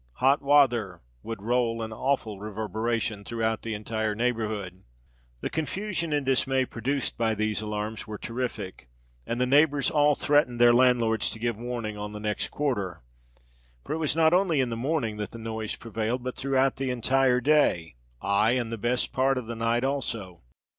hot wather!" would roll in awful reverberation throughout the entire neighbourhood. The confusion and dismay produced by these alarms were terrific; and the neighbours all threatened their landlords to give warning on the next quarter. For it was not only in the morning that the noise prevailed, but throughout the entire day—aye, and the best part of the night also.